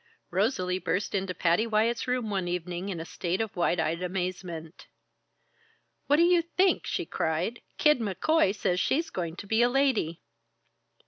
Rosalie burst into Patty Wyatt's room one evening in a state of wide eyed amazement. "What do you think?" she cried. "Kid McCoy says she's going to be a lady!"